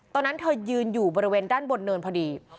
ตอนนั้นเธอยืนอยู่บริเวณด้านบนเนินพอดี